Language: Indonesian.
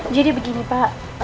jadi begini pak